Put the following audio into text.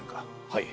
はい。